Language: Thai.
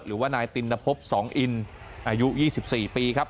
หรือว่านายตีนพบสองอินอายุยี่สิบสี่ปีครับ